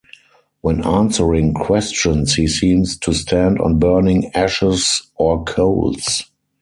When answering questions he seems to stand on burning ashes or coals.